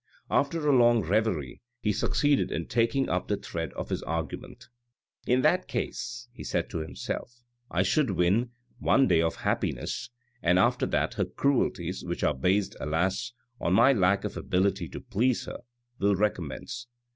After a long reverie he succeeded in taking up the thread of his argument. " In that case," he said to himself, " I should win one day of happiness, and after that her cruelties which are based, alas, on my lack of ability to please her will recommence.